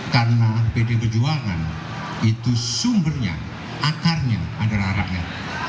karena pd perjuangan itu sumbernya akarnya adalah rakyat